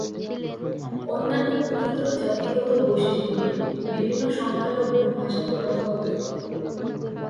অন্যান্য ক্ষুদ্রতর জাতিগত গোষ্ঠীগুলি বিভিন্ন সংখ্যালঘু ভাষাতে কথা বলে থাকে।